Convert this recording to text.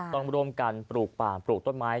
ต้องร่วมกันปลูกป่าปลูกต้นไม้